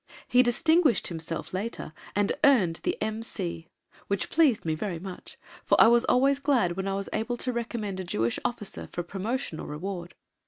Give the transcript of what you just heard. He distinguished himself later and earned the M.C., which pleased me very much, for I was always glad when I was able to recommend a Jewish officer for promotion or reward.